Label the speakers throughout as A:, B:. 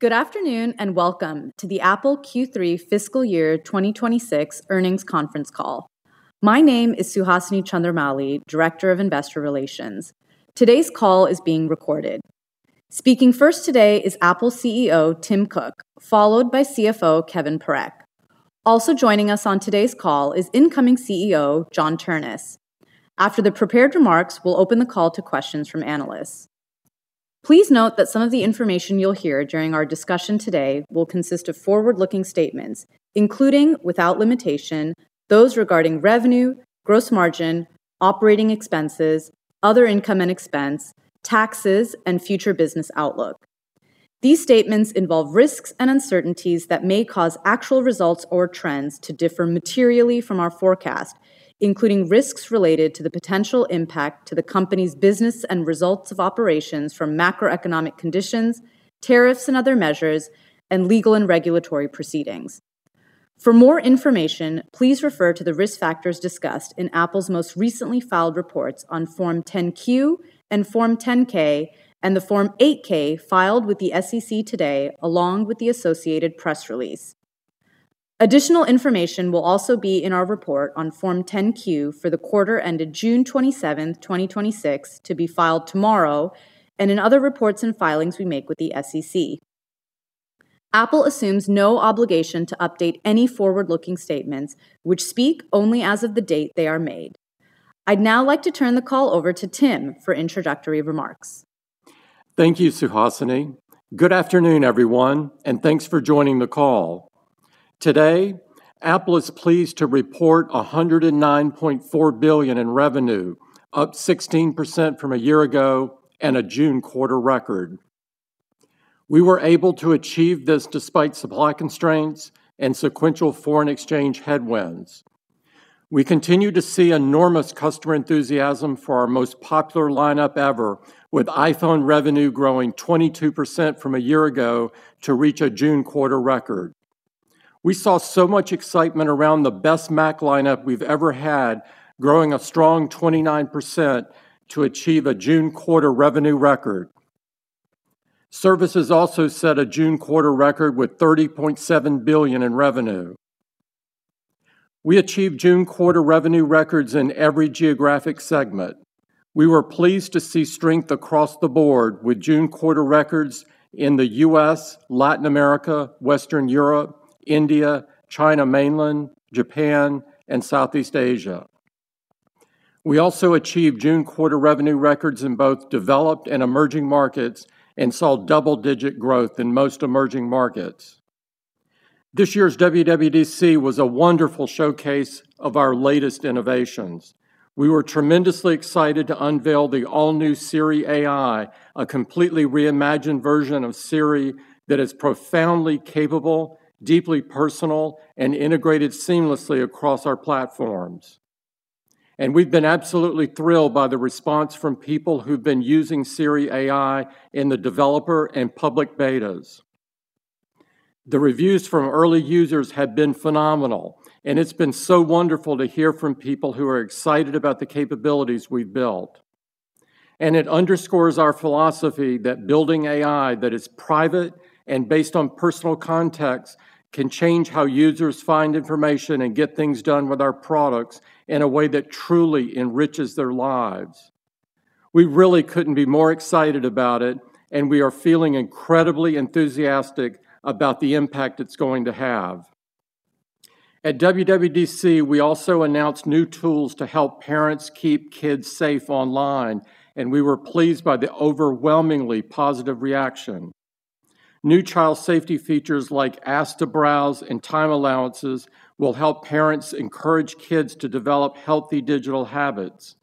A: Good afternoon, welcome to the Apple Q3 fiscal year 2026 earnings conference call. My name is Suhasini Chandramouli, Director of Investor Relations. Today's call is being recorded. Speaking first today is Apple CEO Tim Cook, followed by CFO Kevan Parekh. Also joining us on today's call is incoming CEO John Ternus. After the prepared remarks, we'll open the call to questions from analysts. Please note that some of the information you'll hear during our discussion today will consist of forward-looking statements, including, without limitation, those regarding revenue, gross margin, operating expenses, other income and expense, taxes, and future business outlook. These statements involve risks and uncertainties that may cause actual results or trends to differ materially from our forecast, including risks related to the potential impact to the company's business and results of operations from macroeconomic conditions, tariffs and other measures, and legal and regulatory proceedings. For more information, please refer to the risk factors discussed in Apple's most recently filed reports on Form 10-Q and Form 10-K, and the Form 8-K filed with the SEC today, along with the associated press release. Additional information will also be in our report on Form 10-Q for the quarter ended June 27, 2026, to be filed tomorrow, and in other reports and filings we make with the SEC. Apple assumes no obligation to update any forward-looking statements which speak only as of the date they are made. I'd now like to turn the call over to Tim for introductory remarks.
B: Thank you, Suhasini. Good afternoon, everyone, thanks for joining the call. Today, Apple is pleased to report $109.4 billion in revenue, up 16% from a year ago and a June quarter record. We were able to achieve this despite supply constraints and sequential foreign exchange headwinds. We continue to see enormous customer enthusiasm for our most popular lineup ever, with iPhone revenue growing 22% from a year ago to reach a June quarter record. We saw so much excitement around the best Mac lineup we've ever had, growing a strong 29% to achieve a June quarter revenue record. Services also set a June quarter record with $30.7 billion in revenue. We achieved June quarter revenue records in every geographic segment. We were pleased to see strength across the board with June quarter records in the U.S., Latin America, Western Europe, India, China Mainland, Japan, and Southeast Asia. We also achieved June quarter revenue records in both developed and emerging markets and saw double-digit growth in most emerging markets. This year's WWDC was a wonderful showcase of our latest innovations. We were tremendously excited to unveil the all-new Siri AI, a completely reimagined version of Siri that is profoundly capable, deeply personal, and integrated seamlessly across our platforms. We've been absolutely thrilled by the response from people who've been using Siri AI in the developer and public betas. The reviews from early users have been phenomenal, it's been so wonderful to hear from people who are excited about the capabilities we've built. It underscores our philosophy that building AI that is private and based on personal context can change how users find information and get things done with our products in a way that truly enriches their lives. We really couldn't be more excited about it, we are feeling incredibly enthusiastic about the impact it's going to have. At WWDC, we also announced new tools to help parents keep kids safe online, we were pleased by the overwhelmingly positive reaction. New child safety features like Ask to Browse and Time Allowances will help parents encourage kids to develop healthy digital habits.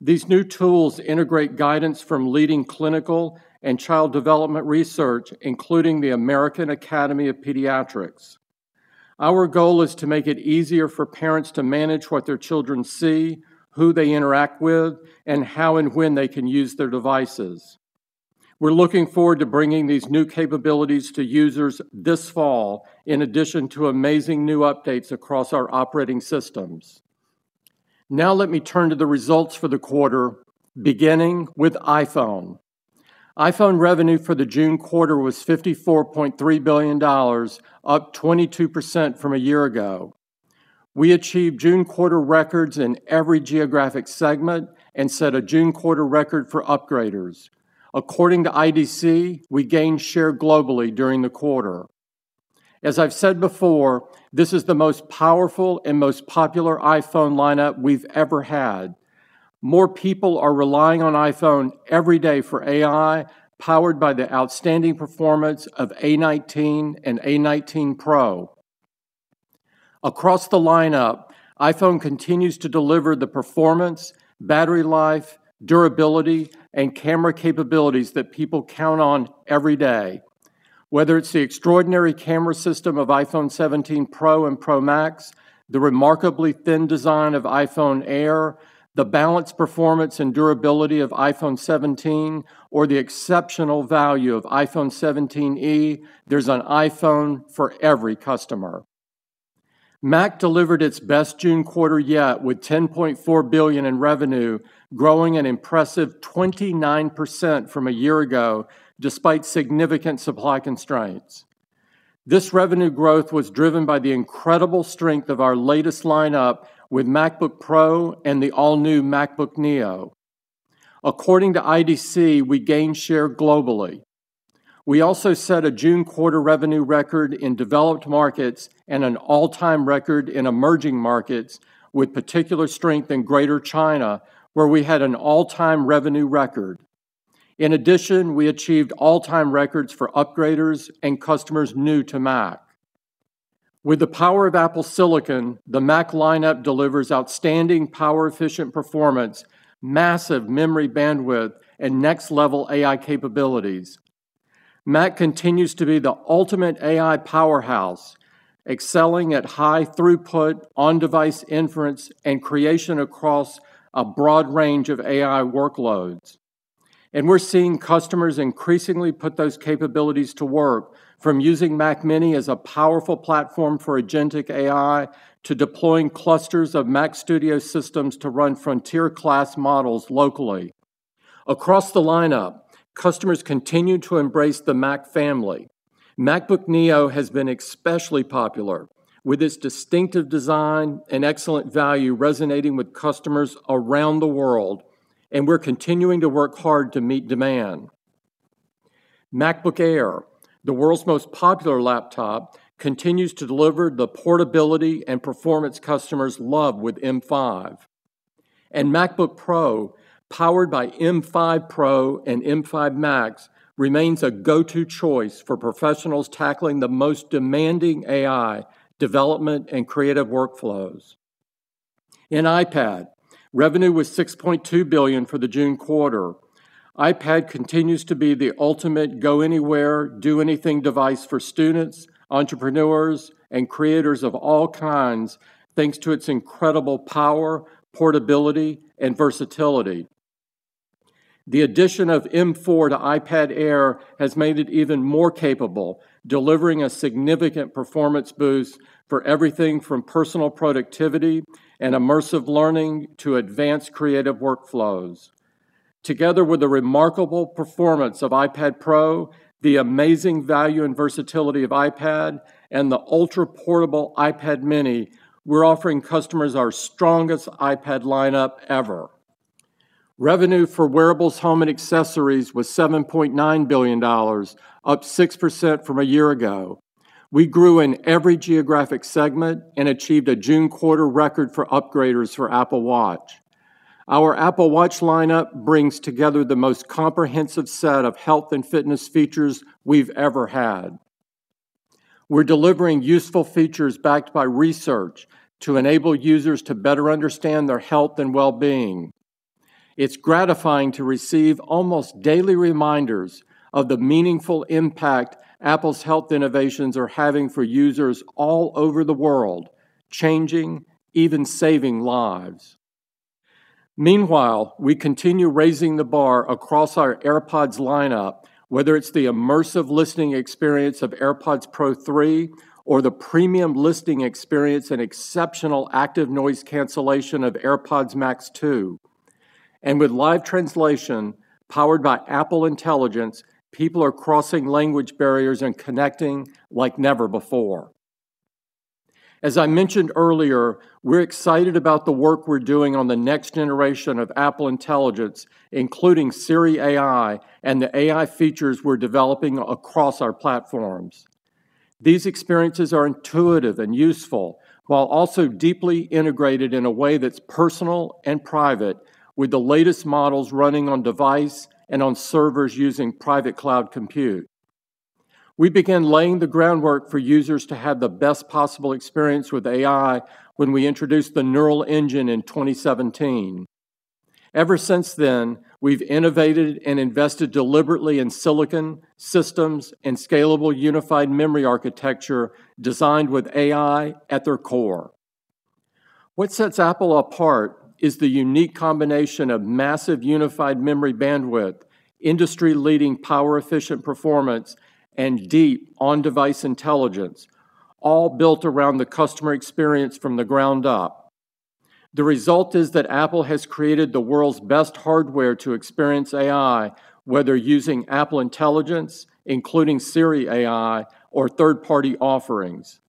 B: These new tools integrate guidance from leading clinical and child development research, including the American Academy of Pediatrics. Our goal is to make it easier for parents to manage what their children see, who they interact with, and how and when they can use their devices. We're looking forward to bringing these new capabilities to users this fall, in addition to amazing new updates across our operating systems. Let me turn to the results for the quarter, beginning with iPhone. iPhone revenue for the June quarter was $54.3 billion, up 22% from a year ago. We achieved June quarter records in every geographic segment and set a June quarter record for upgraders. According to IDC, we gained share globally during the quarter. As I've said before, this is the most powerful and most popular iPhone lineup we've ever had. More people are relying on iPhone every day for AI, powered by the outstanding performance of A19 and A19 Pro. Across the lineup, iPhone continues to deliver the performance, battery life, durability, and camera capabilities that people count on every day. Whether it's the extraordinary camera system of iPhone 17 Pro and Pro Max, the remarkably thin design of iPhone Air, the balanced performance and durability of iPhone 17, or the exceptional value of iPhone 17e, there's an iPhone for every customer. Mac delivered its best June quarter yet with $10.4 billion in revenue, growing an impressive 29% from a year ago despite significant supply constraints. This revenue growth was driven by the incredible strength of our latest lineup with MacBook Pro and the all-new MacBook Neo. According to IDC, we gained share globally. We also set a June quarter revenue record in developed markets and an all-time record in emerging markets with particular strength in Greater China, where we had an all-time revenue record. In addition, we achieved all-time records for upgraders and customers new to Mac. With the power of Apple silicon, the Mac lineup delivers outstanding power-efficient performance, massive memory bandwidth, and next-level AI capabilities. Mac continues to be the ultimate AI powerhouse, excelling at high throughput, on-device inference, and creation across a broad range of AI workloads. We're seeing customers increasingly put those capabilities to work, from using Mac mini as a powerful platform for agentic AI to deploying clusters of Mac Studio systems to run frontier class models locally. Across the lineup, customers continue to embrace the Mac family. MacBook Neo has been especially popular with its distinctive design and excellent value resonating with customers around the world, we're continuing to work hard to meet demand. MacBook Air, the world's most popular laptop, continues to deliver the portability and performance customers love with M5. MacBook Pro, powered by M5 Pro and M5 Max, remains a go-to choice for professionals tackling the most demanding AI development and creative workflows. In iPad, revenue was $6.2 billion for the June quarter. iPad continues to be the ultimate go-anywhere, do anything device for students, entrepreneurs, and creators of all kinds, thanks to its incredible power, portability, and versatility. The addition of M4 to iPad Air has made it even more capable, delivering a significant performance boost for everything from personal productivity and immersive learning to advanced creative workflows. Together with the remarkable performance of iPad Pro, the amazing value and versatility of iPad, and the ultra-portable iPad mini, we're offering customers our strongest iPad lineup ever. Revenue for wearables, home, and accessories was $7.9 billion, up 6% from a year ago. We grew in every geographic segment and achieved a June quarter record for upgraders for Apple Watch. Our Apple Watch lineup brings together the most comprehensive set of health and fitness features we've ever had. We're delivering useful features backed by research to enable users to better understand their health and well-being. It's gratifying to receive almost daily reminders of the meaningful impact Apple's health innovations are having for users all over the world, changing, even saving lives. Meanwhile, we continue raising the bar across our AirPods lineup, whether it's the immersive listening experience of AirPods Pro 3 or the premium listening experience and exceptional active noise cancellation of AirPods Max 2. With live translation powered by Apple Intelligence, people are crossing language barriers and connecting like never before. As I mentioned earlier, we're excited about the work we're doing on the next generation of Apple Intelligence, including Siri AI and the AI features we're developing across our platforms. These experiences are intuitive and useful, while also deeply integrated in a way that's personal and private with the latest models running on-device and on servers using private cloud compute. We began laying the groundwork for users to have the best possible experience with AI when we introduced the Neural Engine in 2017. Ever since then, we've innovated and invested deliberately in silicon, systems, and scalable unified memory architecture designed with AI at their core. What sets Apple apart is the unique combination of massive unified memory bandwidth, industry-leading power-efficient performance, and deep on-device intelligence, all built around the customer experience from the ground up. The result is that Apple has created the world's best hardware to experience AI, whether using Apple Intelligence, including Siri AI, or third-party offerings.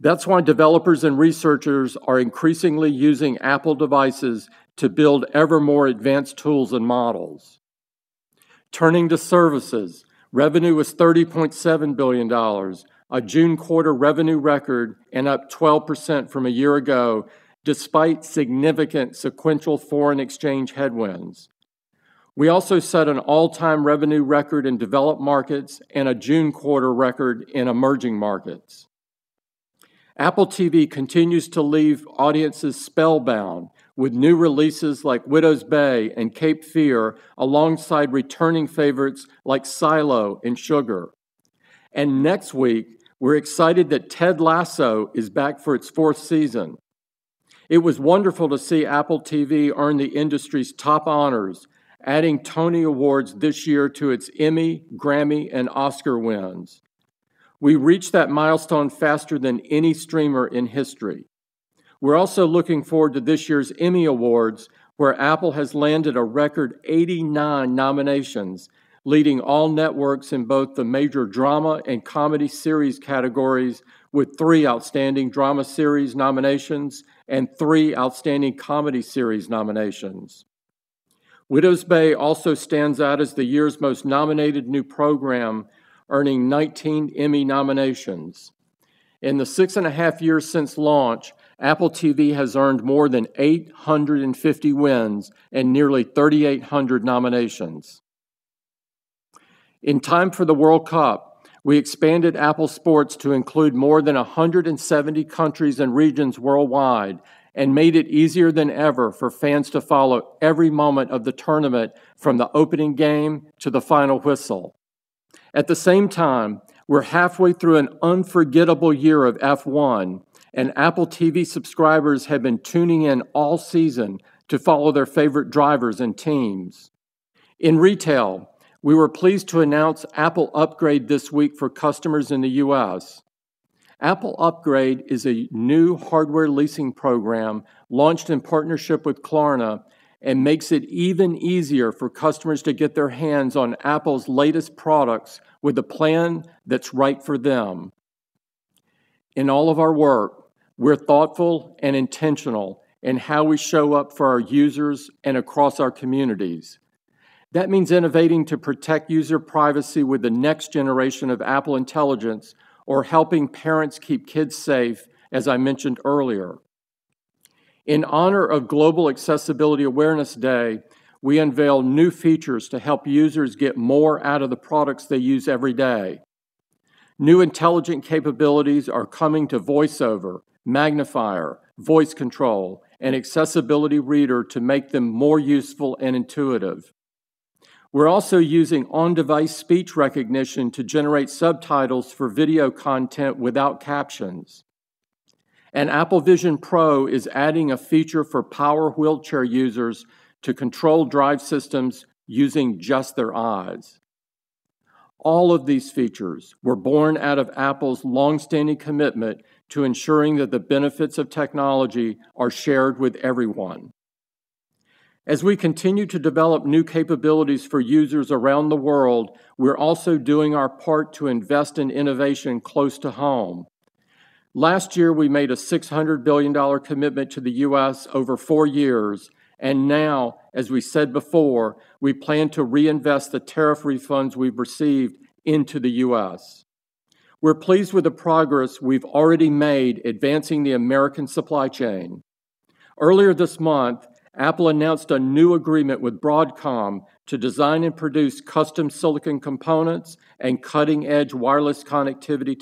B: That's why developers and researchers are increasingly using Apple devices to build ever more advanced tools and models. Turning to services, revenue was $30.7 billion, a June quarter revenue record and up 12% from a year ago, despite significant sequential foreign exchange headwinds. We also set an all-time revenue record in developed markets and a June quarter record in emerging markets. Apple TV continues to leave audiences spellbound with new releases like "Widow's Bay" and "Cape Fear," alongside returning favorites like "Silo" and "Sugar." Next week, we're excited that "Ted Lasso" is back for its fourth season. It was wonderful to see Apple TV earn the industry's top honors, adding Tony Awards this year to its Emmy, Grammy, and Oscar wins. We reached that milestone faster than any streamer in history. We're also looking forward to this year's Emmy Awards, where Apple has landed a record 89 nominations, leading all networks in both the major drama and comedy series categories, with three Outstanding Drama Series nominations and three Outstanding Comedy Series nominations. "Widow's Bay" also stands out as the year's most nominated new program, earning 19 Emmy nominations. In the six and a half years since launch, Apple TV has earned more than 850 wins and nearly 3,800 nominations. In time for the World Cup, we expanded Apple Sports to include more than 170 countries and regions worldwide and made it easier than ever for fans to follow every moment of the tournament, from the opening game to the final whistle. At the same time, we're halfway through an unforgettable year of F1, and Apple TV subscribers have been tuning in all season to follow their favorite drivers and teams. In retail, we were pleased to announce Apple Upgrade this week for customers in the U.S. Apple Upgrade is a new hardware leasing program launched in partnership with Klarna and makes it even easier for customers to get their hands on Apple's latest products with a plan that's right for them. In all of our work, we're thoughtful and intentional in how we show up for our users and across our communities. That means innovating to protect user privacy with the next generation of Apple Intelligence, or helping parents keep kids safe, as I mentioned earlier. In honor of Global Accessibility Awareness Day, we unveiled new features to help users get more out of the products they use every day. New intelligent capabilities are coming to VoiceOver, Magnifier, Voice Control, and Accessibility Reader to make them more useful and intuitive. We're also using on-device speech recognition to generate subtitles for video content without captions. Apple Vision Pro is adding a feature for power wheelchair users to control drive systems using just their eyes. All of these features were born out of Apple's long-standing commitment to ensuring that the benefits of technology are shared with everyone. As we continue to develop new capabilities for users around the world, we're also doing our part to invest in innovation close to home. Last year, we made a $600 billion commitment to the U.S. over four years, and now, as we said before, we plan to reinvest the tariff refunds we've received into the U.S. We're pleased with the progress we've already made advancing the American supply chain. Earlier this month, Apple announced a new agreement with Broadcom to design and produce custom silicon components and cutting-edge wireless connectivity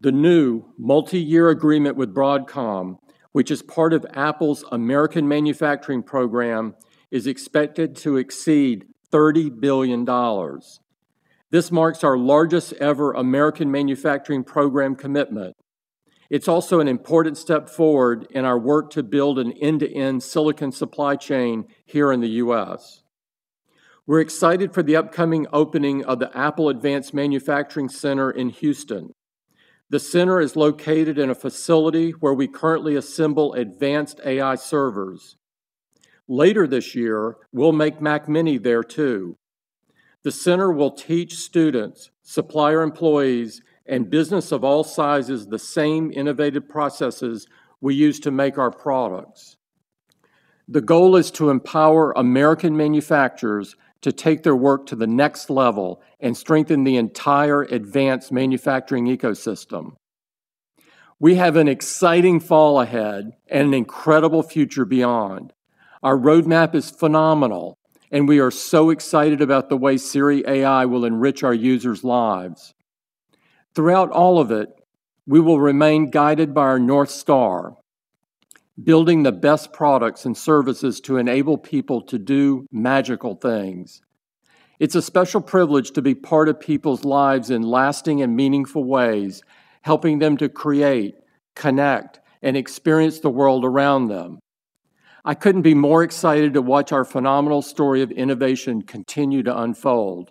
B: technologies. The new multi-year agreement with Broadcom, which is part of Apple's American Manufacturing Program, is expected to exceed $30 billion. This marks our largest-ever American manufacturing program commitment. It's also an important step forward in our work to build an end-to-end silicon supply chain here in the U.S. We're excited for the upcoming opening of the Apple Advanced Manufacturing Center in Houston. The center is located in a facility where we currently assemble advanced AI servers. Later this year, we'll make Mac mini there, too. The center will teach students, supplier employees, and business of all sizes the same innovative processes we use to make our products. The goal is to empower American manufacturers to take their work to the next level and strengthen the entire advanced manufacturing ecosystem. We have an exciting fall ahead and an incredible future beyond. Our roadmap is phenomenal, and we are so excited about the way Siri AI will enrich our users' lives. Throughout all of it, we will remain guided by our North Star: building the best products and services to enable people to do magical things. It's a special privilege to be part of people's lives in lasting and meaningful ways, helping them to create, connect, and experience the world around them. I couldn't be more excited to watch our phenomenal story of innovation continue to unfold,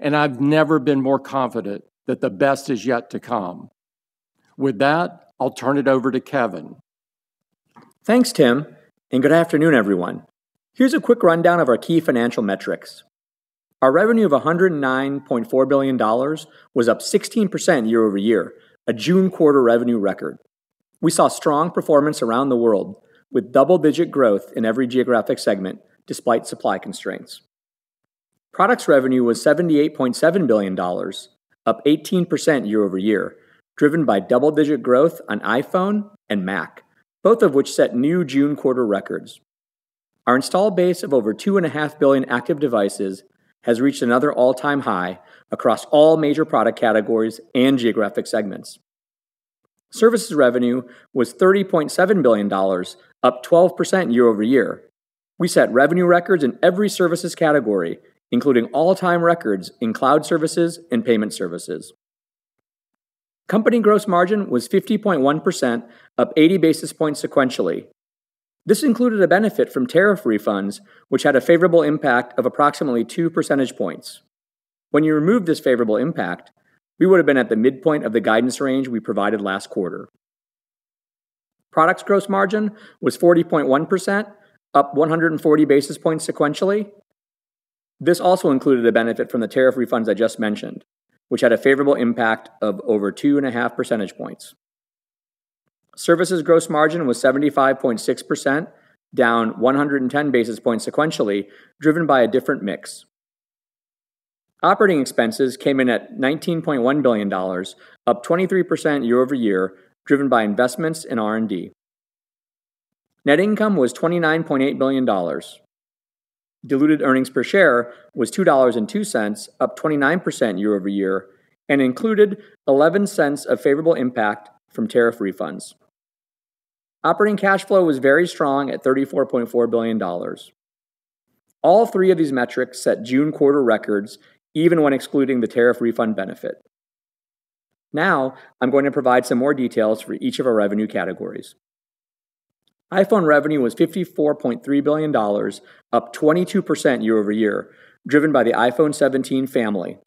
B: and I've never been more confident that the best is yet to come. With that, I'll turn it over to Kevan.
C: Thanks, Tim, good afternoon, everyone. Here's a quick rundown of our key financial metrics. Our revenue of $109.4 billion was up 16% year-over-year, a June quarter revenue record. We saw strong performance around the world, with double-digit growth in every geographic segment despite supply constraints. Products revenue was $78.7 billion, up 18% year-over-year, driven by double-digit growth on iPhone and Mac, both of which set new June quarter records. Our installed base of over two and a half billion active devices has reached another all-time high across all major product categories and geographic segments. Services revenue was $30.7 billion, up 12% year-over-year. We set revenue records in every services category, including all-time records in cloud services and payment services. Company gross margin was 50.1%, up 80 basis points sequentially. This included a benefit from tariff refunds, which had a favorable impact of approximately two percentage points. When you remove this favorable impact, we would have been at the midpoint of the guidance range we provided last quarter. Products gross margin was 40.1%, up 140 basis points sequentially. This also included a benefit from the tariff refunds I just mentioned, which had a favorable impact of over two and a half percentage points. Services gross margin was 75.6%, down 110 basis points sequentially, driven by a different mix. Operating expenses came in at $19.1 billion, up 23% year-over-year, driven by investments in R&D. Net income was $29.8 billion. Diluted earnings per share was $2.02, up 29% year-over-year, and included $0.11 of favorable impact from tariff refunds. Operating cash flow was very strong at $34.4 billion. All three of these metrics set June quarter records, even when excluding the tariff refund benefit. I'm going to provide some more details for each of our revenue categories. iPhone revenue was $54.3 billion, up 22% year-over-year, driven by the iPhone 17 family.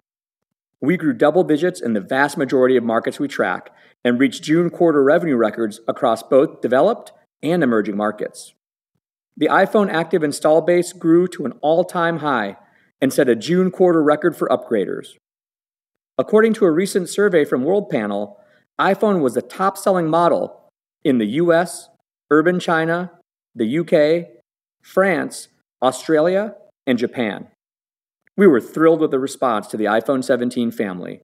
C: We grew double digits in the vast majority of markets we track and reached June quarter revenue records across both developed and emerging markets. The iPhone active install base grew to an all-time high and set a June quarter record for upgraders. According to a recent survey from Worldpanel, iPhone was the top-selling model in the U.S., urban China, the U.K., France, Australia, and Japan. We were thrilled with the response to the iPhone 17 family.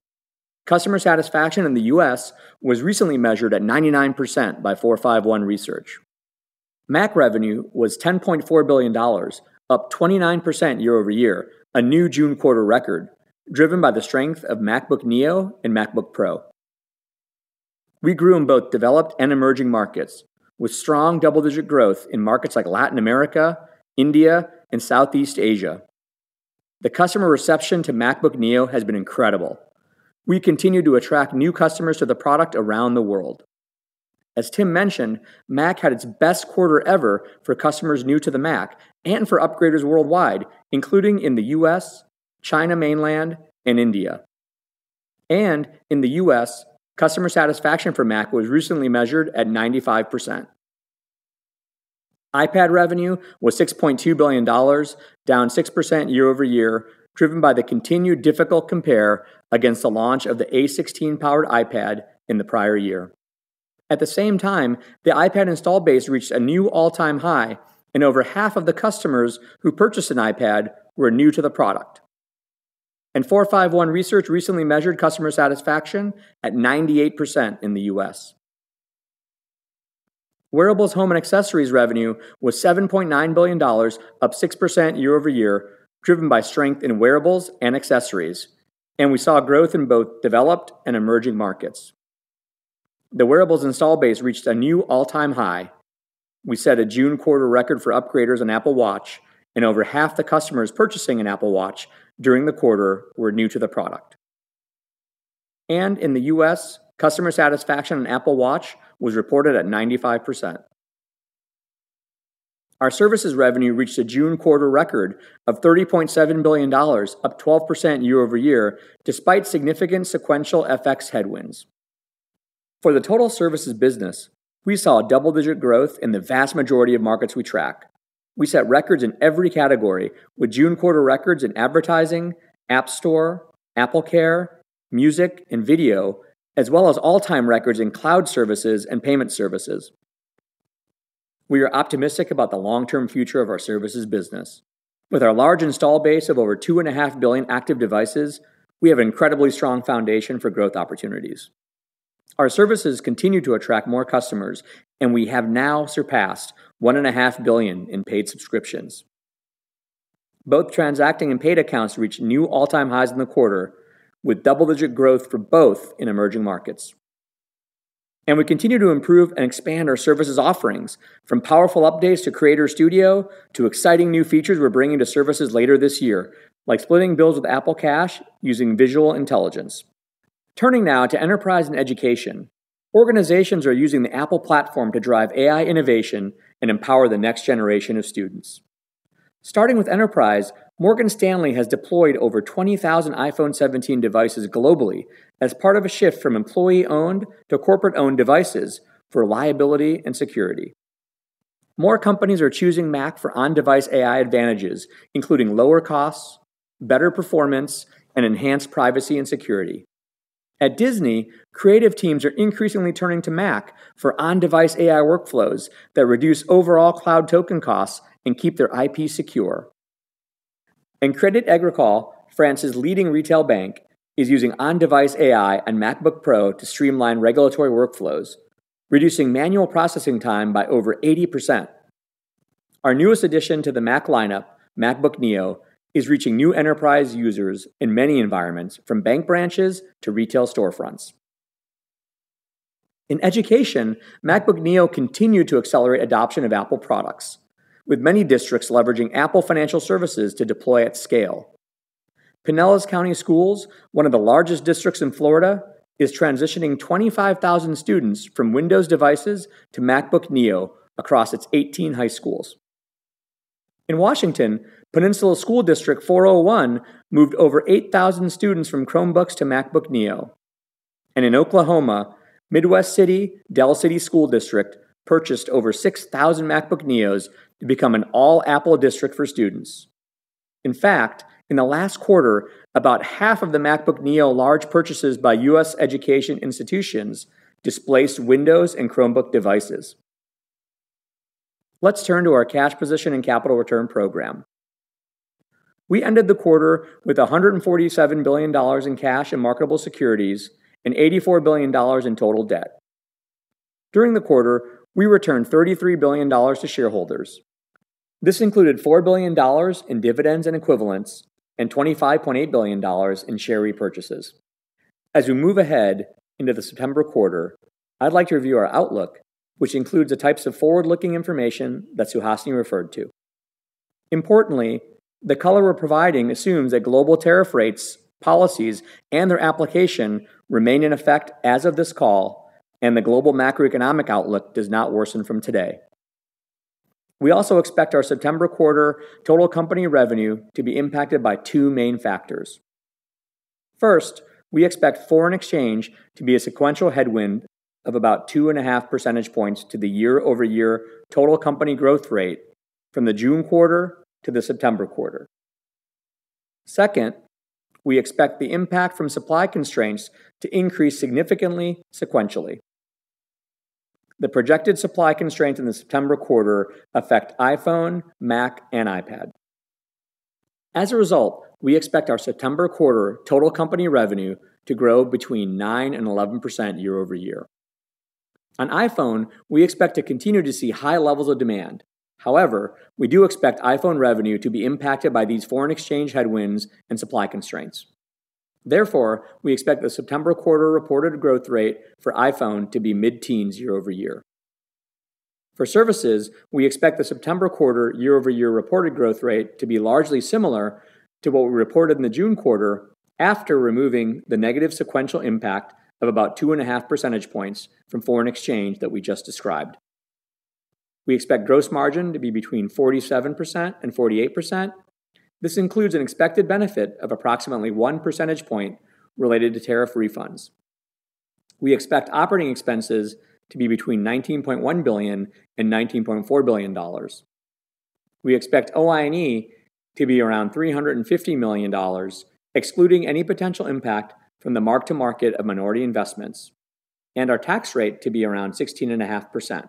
C: Customer satisfaction in the U.S. was recently measured at 99% by 451 Research. Mac revenue was $10.4 billion, up 29% year-over-year, a new June quarter record, driven by the strength of MacBook Neo and MacBook Pro. We grew in both developed and emerging markets, with strong double-digit growth in markets like Latin America, India, and Southeast Asia. The customer reception to MacBook Neo has been incredible. We continue to attract new customers to the product around the world. As Tim mentioned, Mac had its best quarter ever for customers new to the Mac and for upgraders worldwide, including in the U.S., China Mainland, and India. In the U.S., customer satisfaction for Mac was recently measured at 95%. iPad revenue was $6.2 billion, down 6% year-over-year, driven by the continued difficult compare against the launch of the A16-powered iPad in the prior year. At the same time, the iPad install base reached a new all-time high, and over half of the customers who purchased an iPad were new to the product. 451 Research recently measured customer satisfaction at 98% in the U.S. Wearables, home, and accessories revenue was $7.9 billion, up 6% year-over-year, driven by strength in wearables and accessories, and we saw growth in both developed and emerging markets. The wearables install base reached a new all-time high. We set a June quarter record for upgraders on Apple Watch, and over half the customers purchasing an Apple Watch during the quarter were new to the product. In the U.S., customer satisfaction on Apple Watch was reported at 95%. Our services revenue reached a June quarter record of $30.7 billion, up 12% year-over-year, despite significant sequential FX headwinds. For the total services business, we saw double-digit growth in the vast majority of markets we track. We set records in every category, with June quarter records in advertising, App Store, AppleCare, Apple Music, and Apple TV+, as well as all-time records in cloud services and payment services. We are optimistic about the long-term future of our services business. With our large install base of over two and a half billion active devices, we have an incredibly strong foundation for growth opportunities. Our services continue to attract more customers, and we have now surpassed one and a half billion in paid subscriptions. Both transacting and paid accounts reached new all-time highs in the quarter, with double-digit growth for both in emerging markets. We continue to improve and expand our services offerings, from powerful updates to Creator Studio to exciting new features we're bringing to services later this year, like splitting bills with Apple Cash using visual intelligence. Turning now to enterprise and education. Organizations are using the Apple platform to drive AI innovation and empower the next generation of students. Starting with enterprise, Morgan Stanley has deployed over 20,000 iPhone 17 devices globally as part of a shift from employee-owned to corporate-owned devices for liability and security. More companies are choosing Mac for on-device AI advantages, including lower costs, better performance, and enhanced privacy and security. At Disney, creative teams are increasingly turning to Mac for on-device AI workflows that reduce overall cloud token costs and keep their IP secure. Crédit Agricole, France's leading retail bank, is using on-device AI on MacBook Pro to streamline regulatory workflows, reducing manual processing time by over 80%. Our newest addition to the Mac lineup, MacBook Neo, is reaching new enterprise users in many environments, from bank branches to retail storefronts. In education, MacBook Neo continued to accelerate adoption of Apple products, with many districts leveraging Apple Financial Services to deploy at scale. Pinellas County Schools, one of the largest districts in Florida, is transitioning 25,000 students from Windows devices to MacBook Neo across its 18 high schools. In Washington, Peninsula School District 401 moved over 8,000 students from Chromebooks to MacBook Neo. In Oklahoma, Midwest City-Del City School District purchased over 6,000 MacBook Neos to become an all-Apple district for students. In fact, in the last quarter, about half of the MacBook Neo large purchases by U.S. education institutions displaced Windows and Chromebook devices. Let's turn to our cash position and capital return program. We ended the quarter with $147 billion in cash and marketable securities and $84 billion in total debt. During the quarter, we returned $33 billion to shareholders. This included $4 billion in dividends and equivalents and $25.8 billion in share repurchases. As we move ahead into the September quarter, I'd like to review our outlook, which includes the types of forward-looking information that Suhasini referred to. Importantly, the color we're providing assumes that global tariff rates, policies, and their application remain in effect as of this call, and the global macroeconomic outlook does not worsen from today. We also expect our September quarter total company revenue to be impacted by two main factors. First, we expect foreign exchange to be a sequential headwind of about two and a half percentage points to the year-over-year total company growth rate from the June quarter to the September quarter. Second, we expect the impact from supply constraints to increase significantly sequentially. The projected supply constraints in the September quarter affect iPhone, Mac, and iPad. As a result, we expect our September quarter total company revenue to grow between 9%-11% year-over-year. On iPhone, we expect to continue to see high levels of demand. However, we do expect iPhone revenue to be impacted by these foreign exchange headwinds and supply constraints. Therefore, we expect the September quarter reported growth rate for iPhone to be mid-teens year-over-year. For services, we expect the September quarter year-over-year reported growth rate to be largely similar to what we reported in the June quarter after removing the negative sequential impact of about two and a half percentage points from foreign exchange that we just described. We expect gross margin to be between 47%-48%. This includes an expected benefit of approximately one percentage point related to tariff refunds. We expect operating expenses to be between $19.1 billion-$19.4 billion. We expect OIE to be around $350 million, excluding any potential impact from the mark to market of minority investments, and our tax rate to be around 16.5%.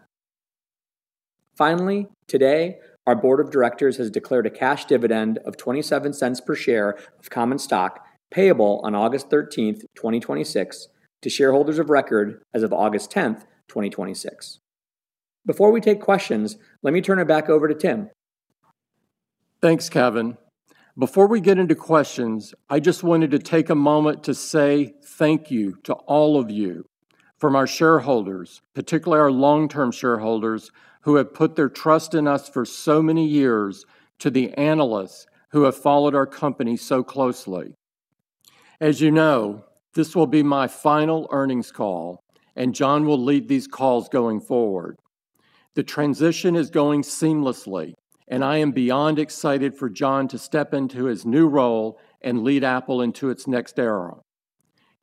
C: Finally, today, our board of directors has declared a cash dividend of $0.27 per share of common stock payable on August 13th, 2026, to shareholders of record as of August 10th, 2026. Before we take questions, let me turn it back over to Tim.
B: Thanks, Kevan. Before we get into questions, I just wanted to take a moment to say thank you to all of you, from our shareholders, particularly our long-term shareholders, who have put their trust in us for so many years, to the analysts who have followed our company so closely. As you know, this will be my final earnings call, and John will lead these calls going forward. The transition is going seamlessly, and I am beyond excited for John to step into his new role and lead Apple into its next era.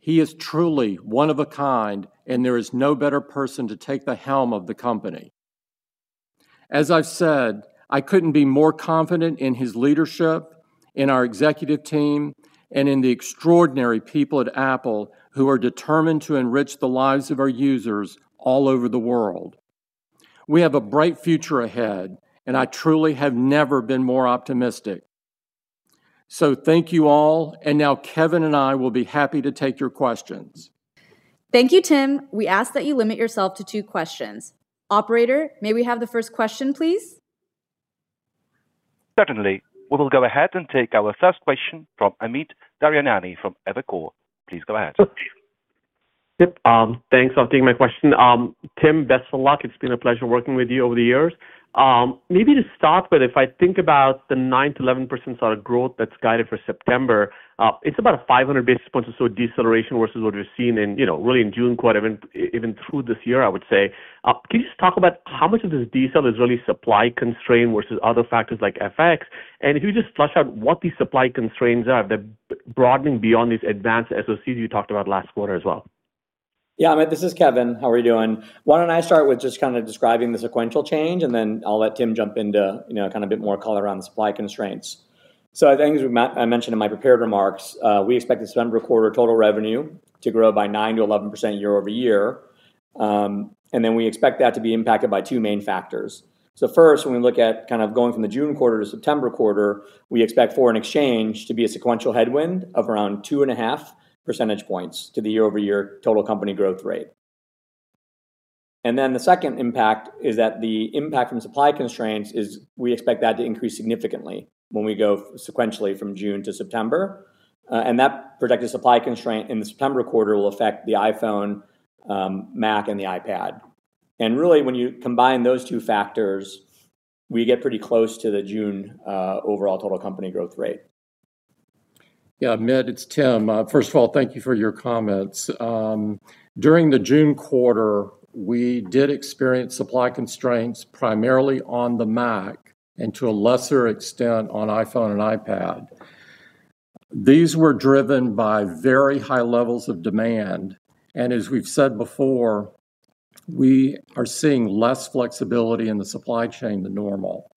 B: He is truly one of a kind, and there is no better person to take the helm of the company. As I've said, I couldn't be more confident in his leadership, in our executive team, and in the extraordinary people at Apple who are determined to enrich the lives of our users all over the world. We have a bright future ahead, and I truly have never been more optimistic. Thank you all, and now Kevan and I will be happy to take your questions.
A: Thank you, Tim. We ask that you limit yourself to two questions. Operator, may we have the first question, please?
D: Certainly. We will go ahead and take our first question from Amit Daryanani from Evercore. Please go ahead.
E: Yep. Thanks. I'll take my question. Tim, best of luck. It's been a pleasure working with you over the years. Maybe to start with, if I think about the 9%-11% sort of growth that's guided for September, it's about a 500 basis point or so deceleration versus what we've seen really in June quarter, even through this year, I would say. Can you just talk about how much of this decel is really supply constraint versus other factors like FX? If you could just flesh out what these supply constraints are that are broadening beyond these advanced SOCs you talked about last quarter as well.
C: Yeah, Amit, this is Kevan. How are you doing? Why don't I start with just kind of describing the sequential change, then I'll let Tim jump into a bit more color on the supply constraints. I think, as I mentioned in my prepared remarks, we expect the September quarter total revenue to grow by 9%-11% year-over-year. We expect that to be impacted by two main factors. First, when we look at going from the June quarter to September quarter, we expect foreign exchange to be a sequential headwind of around two and a half percentage points to the year-over-year total company growth rate. The second impact is that the impact from supply constraints is we expect that to increase significantly when we go sequentially from June to September. That projected supply constraint in the September quarter will affect the iPhone, Mac, and the iPad. Really, when you combine those two factors, we get pretty close to the June overall total company growth rate.
B: Yeah, Amit, it's Tim. First of all, thank you for your comments. During the June quarter, we did experience supply constraints, primarily on the Mac, and to a lesser extent, on iPhone and iPad. These were driven by very high levels of demand. As we've said before, we are seeing less flexibility in the supply chain than normal.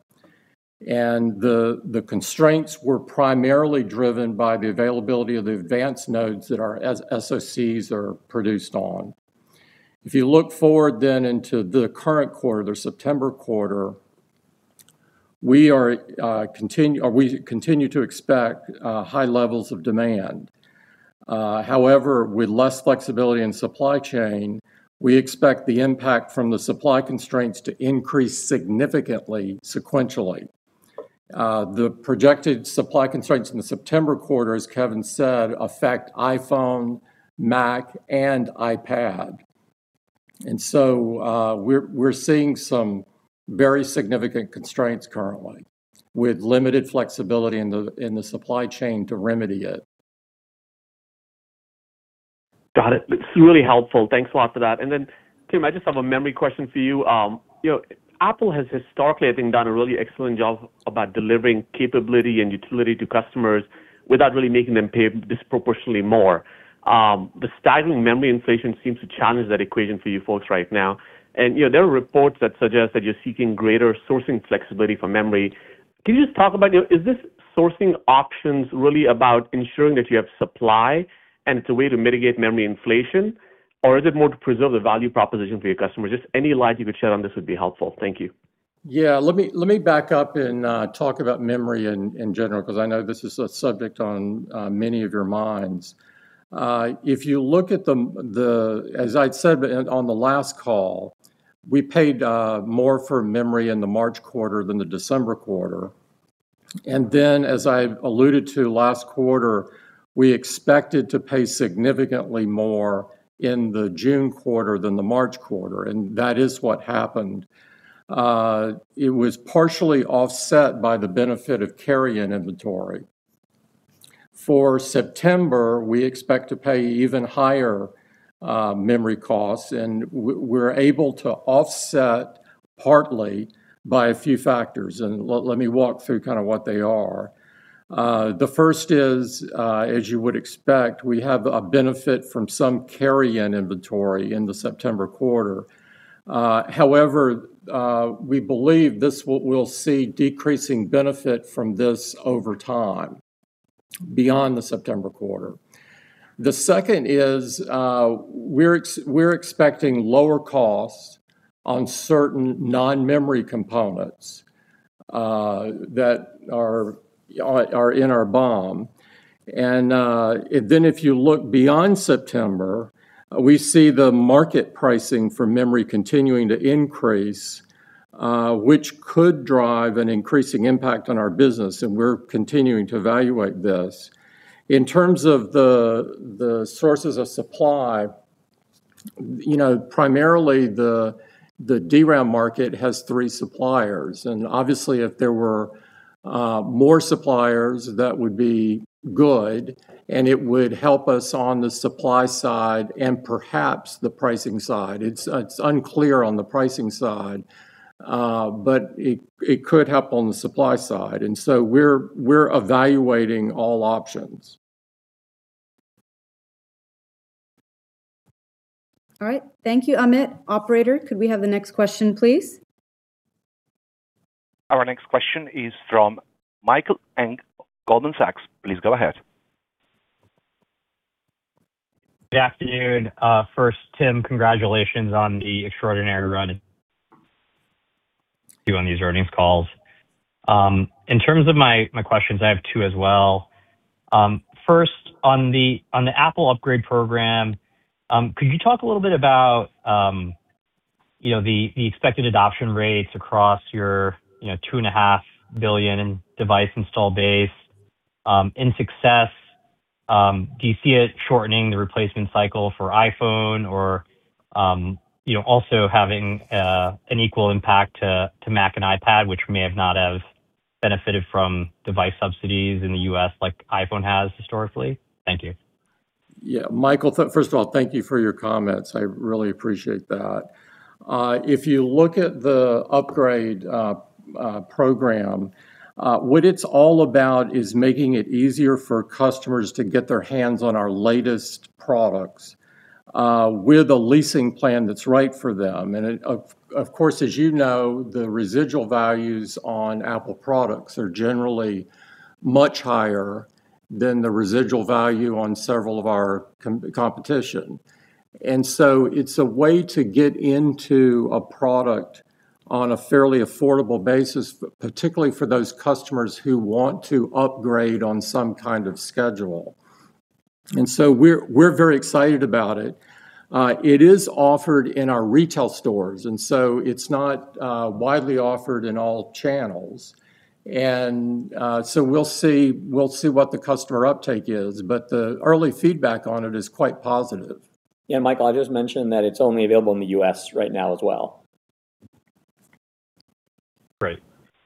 B: The constraints were primarily driven by the availability of the advanced nodes that our SoCs are produced on. If you look forward into the current quarter, the September quarter, we continue to expect high levels of demand. However, with less flexibility in supply chain, we expect the impact from the supply constraints to increase significantly sequentially. The projected supply constraints in the September quarter, as Kevan said, affect iPhone, Mac, and iPad. We're seeing some very significant constraints currently, with limited flexibility in the supply chain to remedy it.
E: Got it. That's really helpful. Thanks a lot for that. Tim, I just have a memory question for you. Apple has historically, I think, done a really excellent job about delivering capability and utility to customers without really making them pay disproportionately more. The stagnant memory inflation seems to challenge that equation for you folks right now. There are reports that suggest that you're seeking greater sourcing flexibility for memory. Can you just talk about, is this sourcing options really about ensuring that you have supply and it's a way to mitigate memory inflation? Or is it more to preserve the value proposition for your customers? Just any light you could shed on this would be helpful. Thank you.
B: Yeah. Let me back up and talk about memory in general, because I know this is a subject on many of your minds. If you look at, as I'd said on the last call, we paid more for memory in the March quarter than the December quarter. As I alluded to last quarter, we expected to pay significantly more in the June quarter than the March quarter, and that is what happened. It was partially offset by the benefit of carry-in inventory. For September, we expect to pay even higher memory costs, and we're able to offset partly by a few factors, and let me walk through kind of what they are. The first is, as you would expect, we have a benefit from some carry-in inventory in the September quarter. However, we believe we'll see decreasing benefit from this over time beyond the September quarter. The second is, we're expecting lower costs on certain non-memory components that are in our BOM. If you look beyond September, we see the market pricing for memory continuing to increase, which could drive an increasing impact on our business, and we're continuing to evaluate this. In terms of the sources of supply, primarily the DRAM market has three suppliers. Obviously if there were more suppliers, that would be good, and it would help us on the supply side and perhaps the pricing side. It's unclear on the pricing side, it could help on the supply side. We're evaluating all options.
A: All right. Thank you, Amit. Operator, could we have the next question, please?
D: Our next question is from Michael Ng of Goldman Sachs. Please go ahead.
F: Good afternoon. First, Tim, congratulations on the extraordinary run you on these earnings calls. In terms of my questions, I have two as well. First, on the Apple Upgrade Program, could you talk a little bit about the expected adoption rates across your two and a half billion device install base in success? Do you see it shortening the replacement cycle for iPhone or also having an equal impact to Mac and iPad, which may have not have benefited from device subsidies in the U.S. like iPhone has historically? Thank you.
B: Michael, first of all, thank you for your comments. I really appreciate that. If you look at the Apple Upgrade, what it's all about is making it easier for customers to get their hands on our latest products with a leasing plan that's right for them. Of course, as you know, the residual values on Apple products are generally much higher than the residual value on several of our competition. It's a way to get into a product on a fairly affordable basis, particularly for those customers who want to upgrade on some kind of schedule. We're very excited about it. It is offered in our retail stores, it's not widely offered in all channels. We'll see what the customer uptake is, but the early feedback on it is quite positive.
C: Michael, I'll just mention that it's only available in the U.S. right now as well.